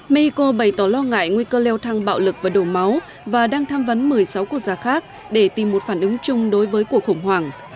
mexico bày tỏ lo ngại nguy cơ leo thăng bạo lực và đổ máu và đang tham vấn một mươi sáu quốc gia khác để tìm một phản ứng chung đối với cuộc khủng hoảng